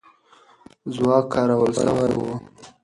ځواک کارول سوی وو.